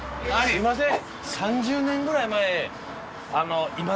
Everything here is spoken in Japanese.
すいません